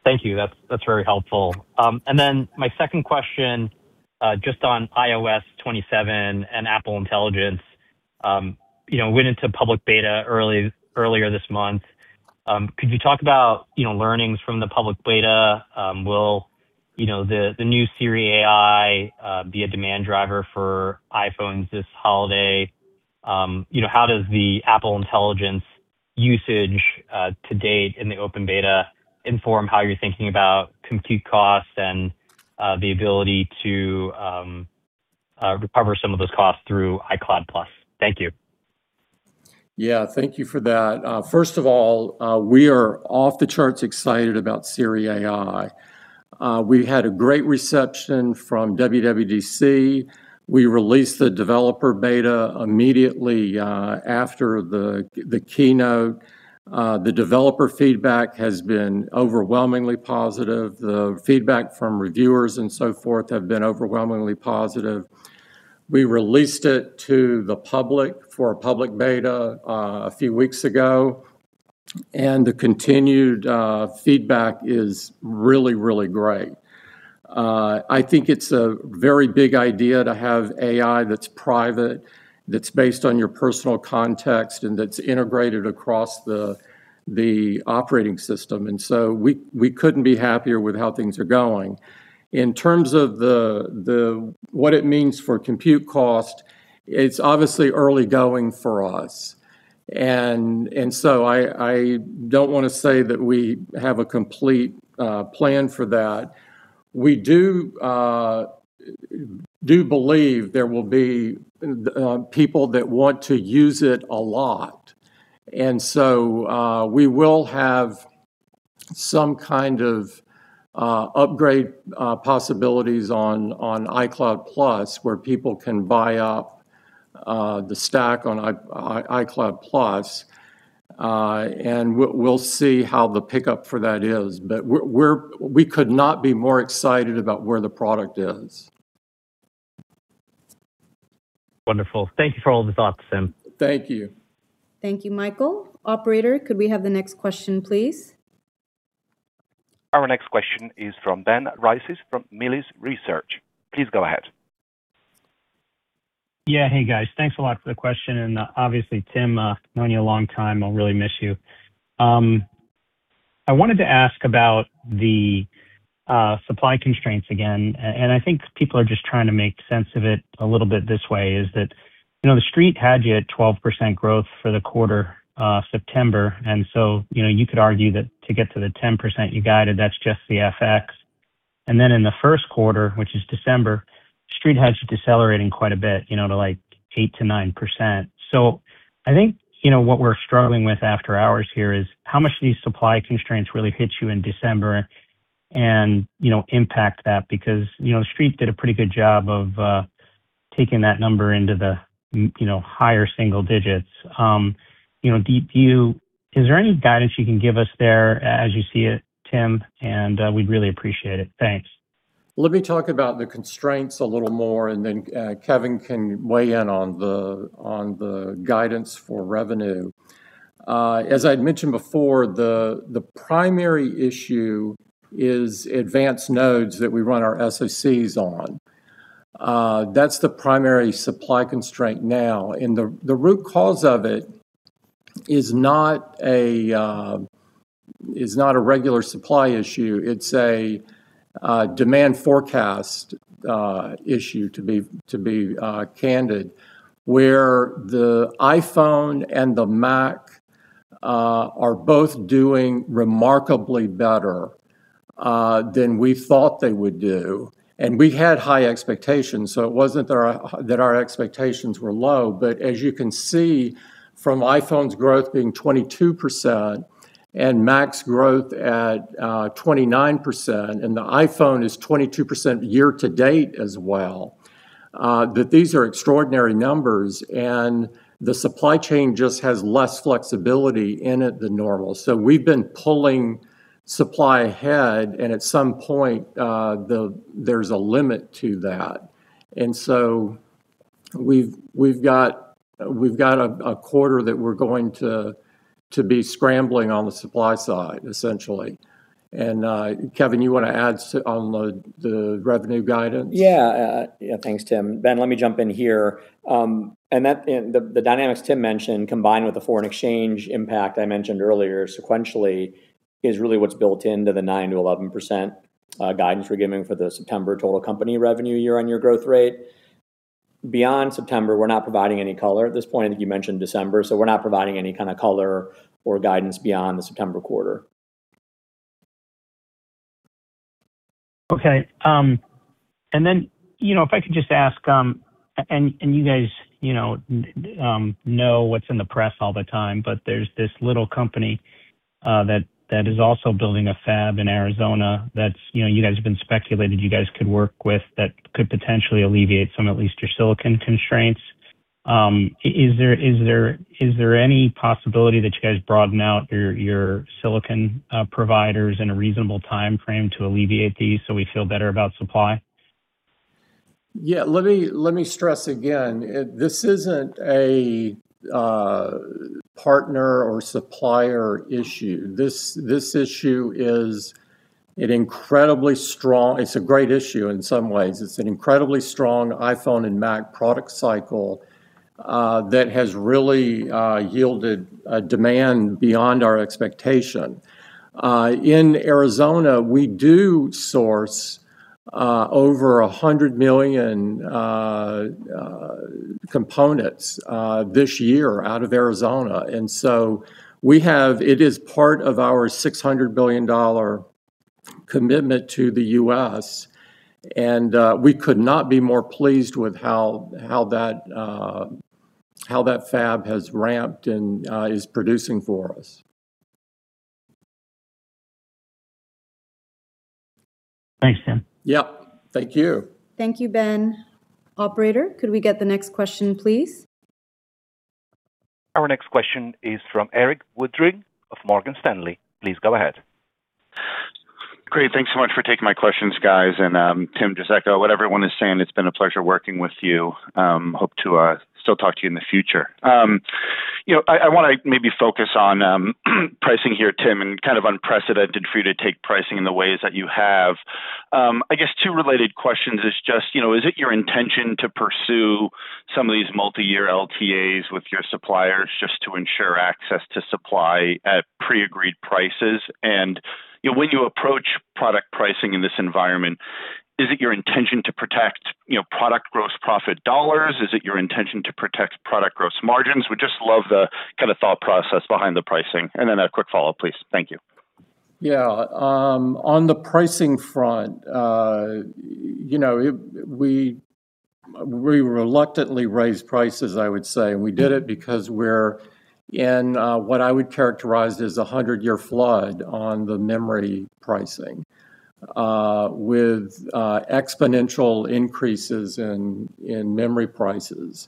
F: Great. Thank you. That's very helpful. My second question, just on iOS 27 and Apple Intelligence, went into public beta earlier this month. Could you talk about learnings from the public beta? Will the new Siri AI be a demand driver for iPhones this holiday? How does the Apple Intelligence usage to date in the open beta inform how you're thinking about compute costs and the ability to recover some of those costs through iCloud+? Thank you.
B: Thank you for that. First of all, we are off the charts excited about Siri AI. We had a great reception from WWDC. We released the developer beta immediately after the keynote. The developer feedback has been overwhelmingly positive. The feedback from reviewers and so forth have been overwhelmingly positive. We released it to the public for a public beta a few weeks ago, the continued feedback is really, really great. I think it's a very big idea to have AI that's private, that's based on your personal context, and that's integrated across the operating system. We couldn't be happier with how things are going. In terms of what it means for compute cost, it's obviously early going for us. I don't want to say that we have a complete plan for that. We do believe there will be people that want to use it a lot. We will have some kind of upgrade possibilities on iCloud+ where people can buy up the stack on iCloud+. We'll see how the pickup for that is. We could not be more excited about where the product is.
F: Wonderful. Thank you for all the thoughts, Tim.
B: Thank you.
A: Thank you, Michael. Operator, could we have the next question, please?
D: Our next question is from Ben Reitzes from Melius Research. Please go ahead.
G: Yeah. Hey, guys. Thanks a lot for the question and, obviously, Tim, known you a long time. I'll really miss you. I wanted to ask about the supply constraints again. I think people are just trying to make sense of it a little bit this way, is that the Street had you at 12% growth for the quarter, September. You could argue that to get to the 10% you guided, that's just the FX. In the 1st quarter, which is December, Street has you decelerating quite a bit, to like 8%-9%. I think what we're struggling with after hours here is how much do these supply constraints really hit you in December and impact that because the Street did a pretty good job of taking that number into the higher single digits. Is there any guidance you can give us there as you see it, Tim, and we'd really appreciate it. Thanks.
B: Let me talk about the constraints a little more, and then Kevan can weigh in on the guidance for revenue. As I'd mentioned before, the primary issue is advanced nodes that we run our SoCs on. That's the primary supply constraint now. The root cause of it is not a regular supply issue. It's a demand forecast issue, to be candid, where the iPhone and the Mac are both doing remarkably better than we thought they would do. We had high expectations, so it wasn't that our expectations were low. As you can see from iPhone's growth being 22% and Mac's growth at 29%, and the iPhone is 22% year-to-date as well, that these are extraordinary numbers. The supply chain just has less flexibility in it than normal. We've been pulling supply ahead. At some point, there's a limit to that. We've got a quarter that we're going to be scrambling on the supply side, essentially. Kevan, you want to add on the revenue guidance?
C: Yeah. Thanks, Tim. Ben, let me jump in here. The dynamics Tim mentioned, combined with the foreign exchange impact I mentioned earlier sequentially, is really what's built into the 9%-11% guidance we're giving for the September total company revenue year-over-year growth rate. Beyond September, we're not providing any color at this point. I think you mentioned December, so we're not providing any kind of color or guidance beyond the September quarter.
G: Okay. If I could just ask, you guys know what's in the press all the time, but there's this little company that is also building a fab in Arizona that you guys have been speculated you guys could work with that could potentially alleviate some, at least your silicon constraints. Is there any possibility that you guys broaden out your silicon providers in a reasonable time frame to alleviate these so we feel better about supply?
B: Yeah. Let me stress again, this isn't a partner or supplier issue. This issue is an incredibly strong, it's a great issue in some ways. It's an incredibly strong iPhone and Mac product cycle that has really yielded demand beyond our expectation. In Arizona, we do source over 100 million components this year out of Arizona, it is part of our $600 billion commitment to the U.S., and we could not be more pleased with how that fab has ramped and is producing for us.
G: Thanks, Tim.
B: Yep. Thank you.
A: Thank you, Ben. Operator, could we get the next question, please?
D: Our next question is from Erik Woodring of Morgan Stanley. Please go ahead.
H: Great. Thanks so much for taking my questions, guys. Tim, just echo what everyone is saying, it's been a pleasure working with you. Hope to still talk to you in the future. I want to maybe focus on pricing here, Tim, and kind of unprecedented for you to take pricing in the ways that you have. I guess two related questions is just, is it your intention to pursue some of these multi-year LTAs with your suppliers just to ensure access to supply at pre-agreed prices? When you approach product pricing in this environment, is it your intention to protect product gross profit dollars? Is it your intention to protect product gross margins? Would just love the kind of thought process behind the pricing. Then a quick follow-up, please. Thank you.
B: Yeah. On the pricing front, we reluctantly raised prices, I would say. We did it because we're in what I would characterize as a 100-year flood on the memory pricing, with exponential increases in memory prices.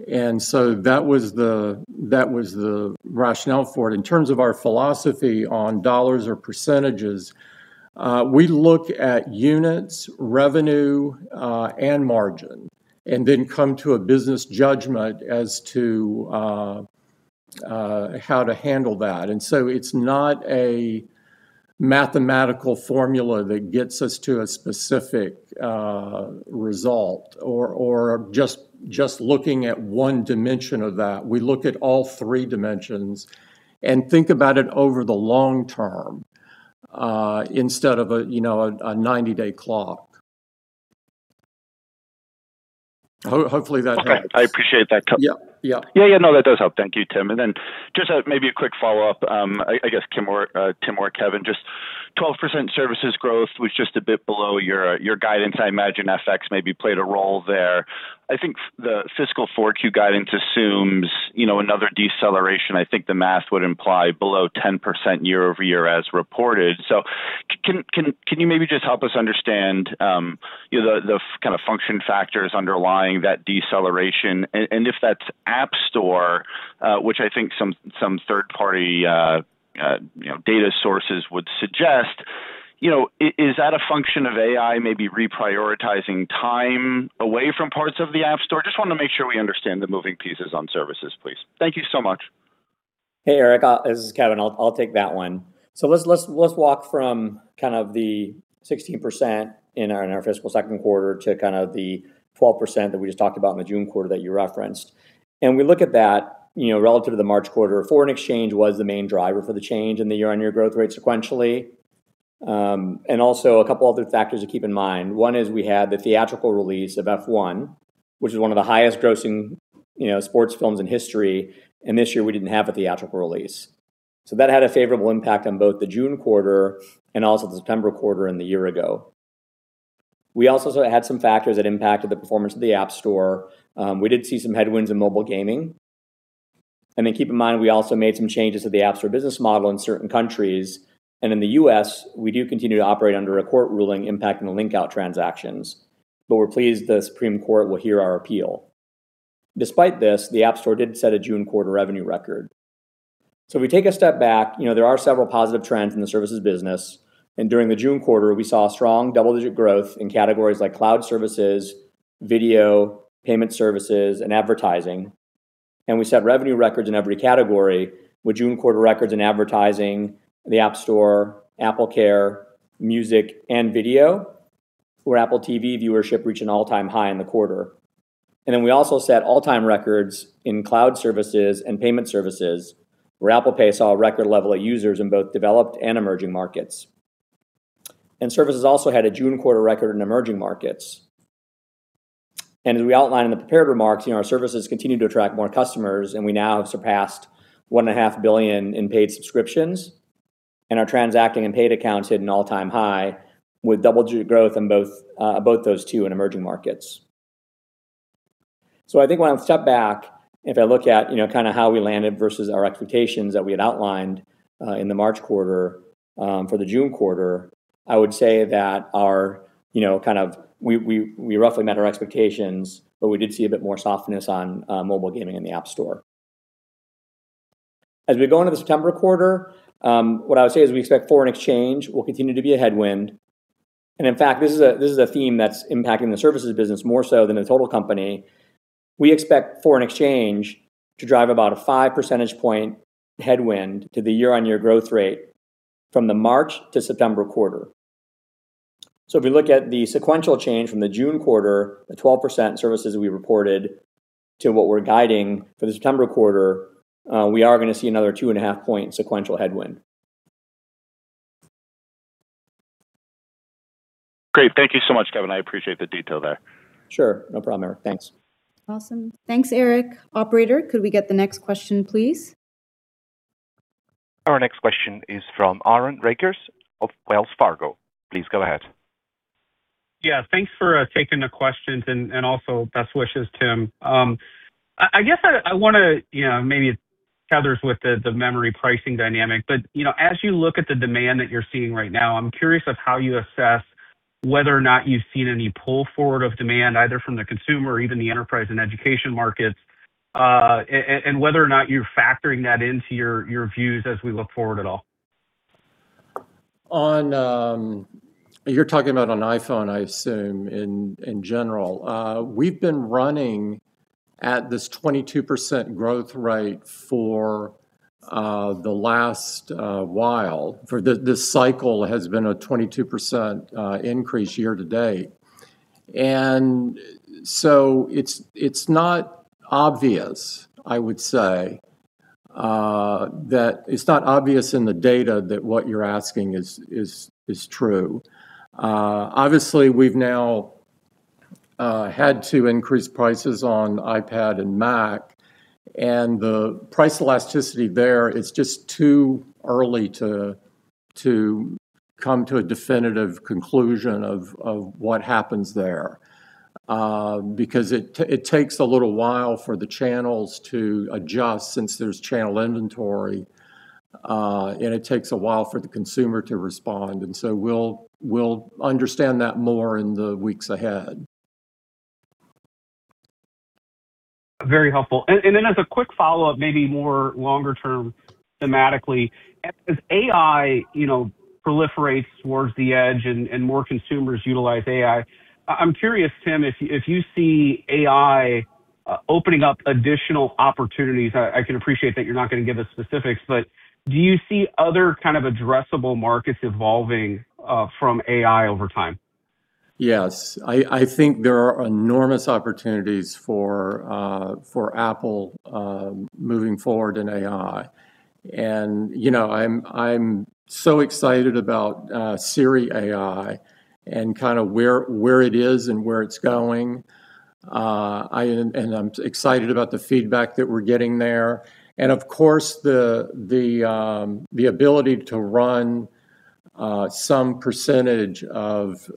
B: That was the rationale for it. In terms of our philosophy on dollars or percentages, we look at units, revenue, and margin, then come to a business judgment as to how to handle that. It's not a mathematical formula that gets us to a specific result or just looking at one dimension of that. We look at all three dimensions and think about it over the long term, instead of a 90-day clock. Hopefully that helps.
H: Okay. I appreciate that.
B: Yeah.
H: Yeah. No, that does help. Thank you, Tim. Just maybe a quick follow-up, I guess, Tim or Kevan, just 12% services growth was just a bit below your guidance. I imagine FX maybe played a role there. I think the fiscal 4Q guidance assumes another deceleration. I think the math would imply below 10% year-over-year as reported. Can you maybe just help us understand the kind of function factors underlying that deceleration? If that's App Store, which I think some third-party data sources would suggest, is that a function of AI maybe reprioritizing time away from parts of the App Store? Just want to make sure we understand the moving pieces on services, please. Thank you so much.
C: Hey, Erik, this is Kevan. I'll take that one. Let's walk from kind of the 16% in our fiscal second quarter to kind of the 12% that we just talked about in the June quarter that you referenced. We look at that, relative to the March quarter. Foreign exchange was the main driver for the change in the year-over-year growth rate sequentially. Also a couple other factors to keep in mind. One is we had the theatrical release of F1, which is one of the highest grossing sports films in history, and this year we didn't have a theatrical release. That had a favorable impact on both the June quarter and also the September quarter in the year ago. We also had some factors that impacted the performance of the App Store. We did see some headwinds in mobile gaming. Keep in mind, we also made some changes to the App Store business model in certain countries. In the U.S., we do continue to operate under a court ruling impacting the link-out transactions. We're pleased the Supreme Court will hear our appeal. Despite this, the App Store did set a June quarter revenue record. We take a step back. There are several positive trends in the services business. During the June quarter, we saw strong double-digit growth in categories like cloud services, video, payment services, and advertising. We set revenue records in every category with June quarter records in advertising, the App Store, AppleCare, music, and video, where Apple TV+ viewership reached an all-time high in the quarter. We also set all-time records in cloud services and payment services, where Apple Pay saw a record level of users in both developed and emerging markets. Services also had a June quarter record in emerging markets. As we outlined in the prepared remarks, our services continue to attract more customers, and we now have surpassed one and a half billion in paid subscriptions. Our transacting and paid accounts hit an all-time high with double-digit growth in both those two in emerging markets. I think when I step back, if I look at how we landed versus our expectations that we had outlined in the March quarter for the June quarter, I would say that we roughly met our expectations, but we did see a bit more softness on mobile gaming in the App Store. As we go into the September quarter, what I would say is we expect foreign exchange will continue to be a headwind. In fact, this is a theme that's impacting the services business more so than the total company. We expect foreign exchange to drive about a 5 percentage point headwind to the year-over-year growth rate from the March to September quarter. If we look at the sequential change from the June quarter, the 12% services we reported to what we're guiding for the September quarter, we are going to see another two and a half point sequential headwind.
H: Great. Thank you so much, Kevan. I appreciate the detail there.
C: Sure. No problem, Erik. Thanks.
A: Awesome. Thanks, Erik. Operator, could we get the next question, please?
D: Our next question is from Aaron Rakers of Wells Fargo. Please go ahead.
I: Thanks for taking the questions, also best wishes, Tim. I guess I want to, maybe it tethers with the memory pricing dynamic, as you look at the demand that you're seeing right now, I'm curious of how you assess whether or not you've seen any pull forward of demand, either from the consumer or even the enterprise and education markets. Whether or not you're factoring that into your views as we look forward at all.
B: You're talking about on iPhone, I assume, in general. We've been running at this 22% growth rate for the last while. For this cycle has been a 22% increase year to date. It's not obvious, I would say. It's not obvious in the data that what you're asking is true. Obviously, we've now had to increase prices on iPad and Mac, the price elasticity there, it's just too early to come to a definitive conclusion of what happens there. Because it takes a little while for the channels to adjust since there's channel inventory, it takes a while for the consumer to respond. We'll understand that more in the weeks ahead.
I: Very helpful. Then as a quick follow-up, maybe more longer term thematically, as AI proliferates towards the edge and more consumers utilize AI, I'm curious, Tim, if you see AI opening up additional opportunities. I can appreciate that you're not going to give us specifics, do you see other kind of addressable markets evolving from AI over time?
B: I think there are enormous opportunities for Apple moving forward in AI. I'm so excited about Siri AI and where it is and where it's going. I'm excited about the feedback that we're getting there. Of course, the ability to run some percentage of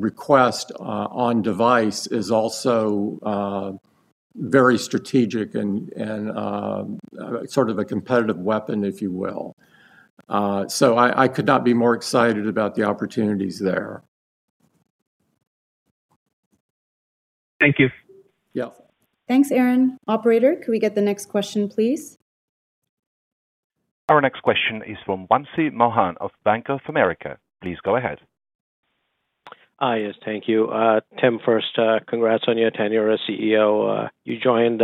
B: request on device is also very strategic and sort of a competitive weapon, if you will. I could not be more excited about the opportunities there.
I: Thank you.
B: Yeah.
A: Thanks, Aaron. Operator, could we get the next question, please?
D: Our next question is from Wamsi Mohan of Bank of America. Please go ahead.
J: Yes. Thank you. Tim, first, congrats on your tenure as CEO. You joined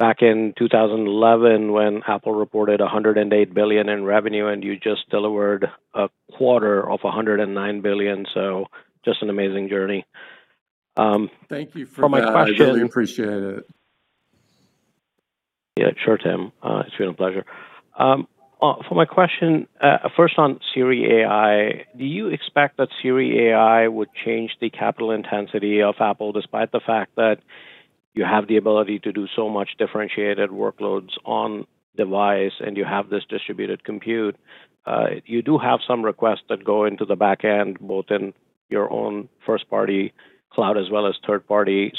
J: back in 2011 when Apple reported $108 billion in revenue, and you just delivered a quarter of $109 billion. Just an amazing journey.
B: Thank you for that.
J: For my question.
B: I really appreciate it.
J: Yeah, sure, Tim. It's been a pleasure. For my question, first on Siri AI, do you expect that Siri AI would change the capital intensity of Apple, despite the fact that you have the ability to do so much differentiated workloads on device, and you have this distributed compute. You do have some requests that go into the back end, both in your own first-party cloud as well as third party.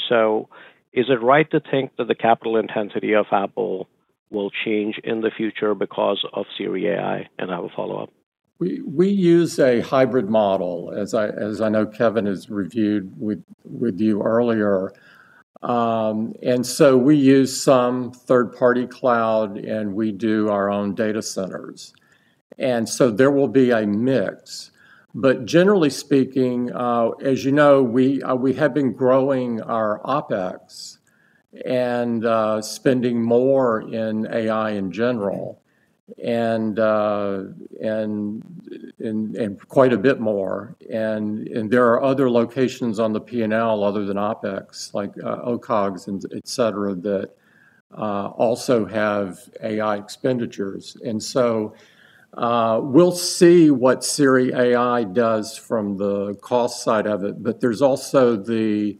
J: Is it right to think that the capital intensity of Apple will change in the future because of Siri AI? I have a follow-up.
B: We use a hybrid model, as I know Kevan has reviewed with you earlier. We use some third-party cloud, and we do our own data centers. There will be a mix. Generally speaking, as you know, we have been growing our OpEx and spending more in AI in general and quite a bit more. There are other locations on the P&L other than OpEx, like COGS etc., that also have AI expenditures. We'll see what Siri AI does from the cost side of it. There's also the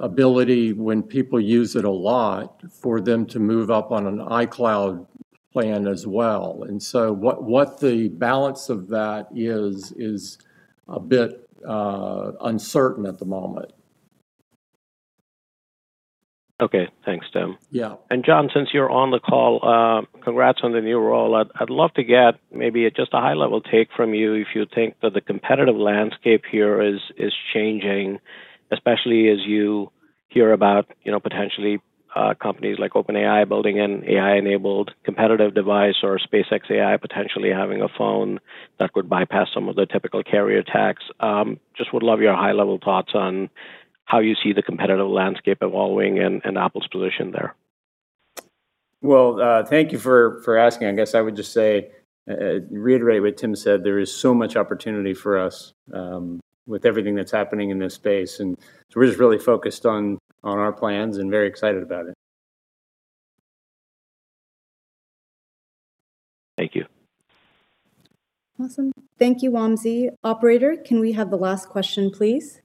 B: ability when people use it a lot for them to move up on an iCloud Plan as well. What the balance of that is a bit uncertain at the moment.
J: Okay. Thanks, Tim.
B: Yeah.
J: John, since you're on the call, congrats on the new role. I'd love to get maybe a just a high-level take from you if you think that the competitive landscape here is changing, especially as you hear about potentially companies like OpenAI building an AI-enabled competitive device or SpaceX AI potentially having a phone that could bypass some of the typical carrier attacks. Just would love your high-level thoughts on how you see the competitive landscape evolving and Apple's position there.
K: Well, thank you for asking. I guess I would just reiterate what Tim said, there is so much opportunity for us with everything that's happening in this space. We're just really focused on our plans and very excited about it.
J: Thank you.
A: Awesome. Thank you, Wamsi. Operator, can we have the last question, please?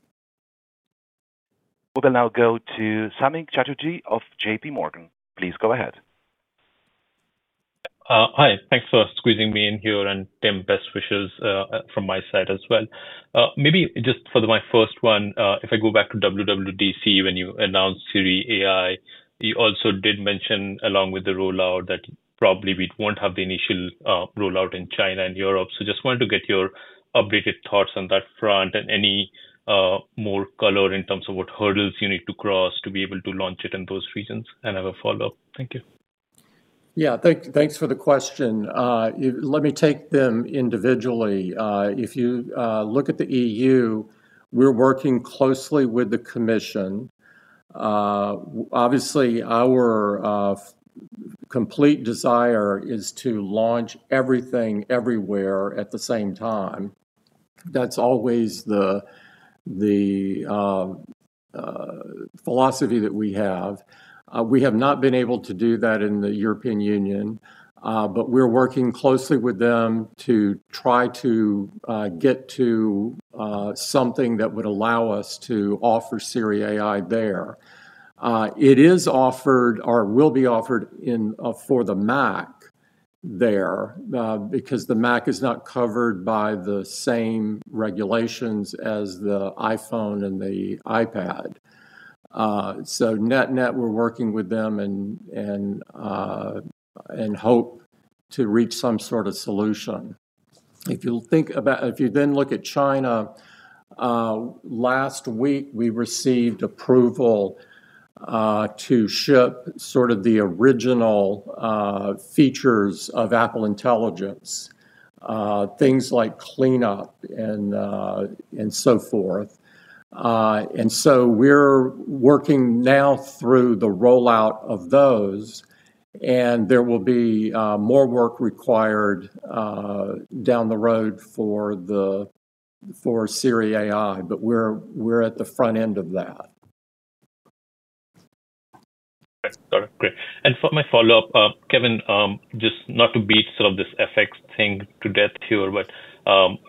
D: We will now go to Samik Chatterjee of JPMorgan. Please go ahead.
L: Hi, thanks for squeezing me in here. Tim, best wishes from my side as well. Maybe just for my first one, if I go back to WWDC, when you announced Siri AI, you also did mention, along with the rollout, that probably we won't have the initial rollout in China and Europe. Just wanted to get your updated thoughts on that front and any more color in terms of what hurdles you need to cross to be able to launch it in those regions. I have a follow-up. Thank you.
B: Thanks for the question. Let me take them individually. You look at the EU, we're working closely with the commission. Obviously, our complete desire is to launch everything everywhere at the same time. That's always the philosophy that we have. We have not been able to do that in the European Union, but we're working closely with them to try to get to something that would allow us to offer Siri AI there. It is offered or will be offered for the Mac there, because the Mac is not covered by the same regulations as the iPhone and the iPad. Net-net, we're working with them and hope to reach some sort of solution. You look at China, last week we received approval to ship sort of the original features of Apple Intelligence, things like cleanup and so forth. We're working now through the rollout of those, and there will be more work required down the road for Siri AI. We're at the front end of that.
L: Okay. Got it. Great. For my follow-up, Kevan, just not to beat sort of this FX thing to death here, but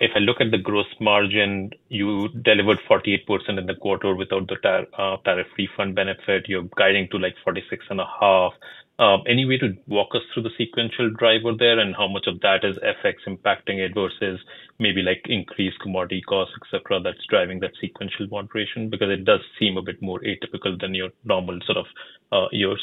L: if I look at the gross margin, you delivered 48% in the quarter without the tariff refund benefit. You're guiding to like 46.5%. Any way to walk us through the sequential driver there and how much of that is FX impacting it versus maybe increased commodity costs, et cetera, that's driving that sequential moderation? It does seem a bit more atypical than your normal sort of years.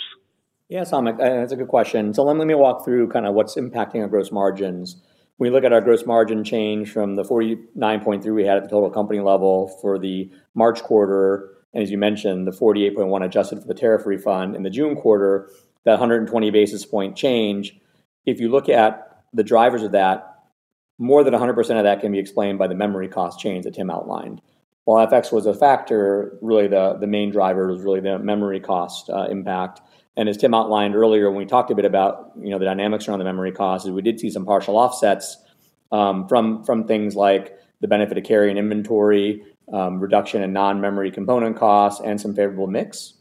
C: Yeah, Samik, that's a good question. Let me walk through kind of what's impacting our gross margins. We look at our gross margin change from the 49.3% we had at the total company level for the March quarter, and as you mentioned, the 48.1% adjusted for the tariff refund in the June quarter, that 120 basis point change. You look at the drivers of that, more than 100% of that can be explained by the memory cost change that Tim outlined. While FX was a factor, really the main driver was really the memory cost impact. As Tim outlined earlier when we talked a bit about the dynamics around the memory costs, is we did see some partial offsets from things like the benefit of carry and inventory, reduction in non-memory component costs, and some favorable mix.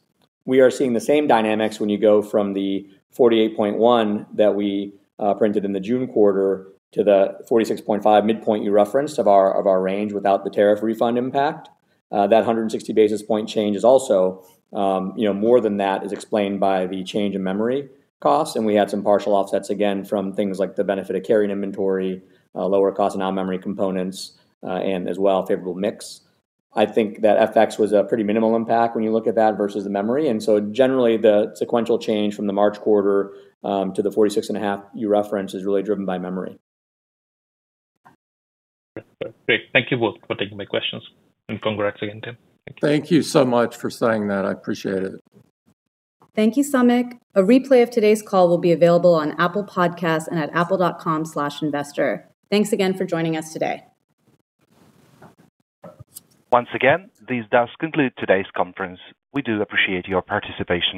C: We are seeing the same dynamics when you go from the 48.1% that we printed in the June quarter to the 46.5% midpoint you referenced of our range without the tariff refund impact. That 160 basis point change is also more than that is explained by the change in memory cost. We had some partial offsets again from things like the benefit of carry and inventory, lower cost of non-memory components, and as well, favorable mix. I think that FX was a pretty minimal impact when you look at that versus the memory. Generally, the sequential change from the March quarter to the 46.5% you referenced is really driven by memory.
L: Great. Thank you both for taking my questions. Congrats again, Tim. Thank you.
B: Thank you so much for saying that. I appreciate it.
A: Thank you, Samik. A replay of today's call will be available on Apple Podcasts and at apple.com/investor. Thanks again for joining us today.
D: Once again, this does conclude today's conference. We do appreciate your participation.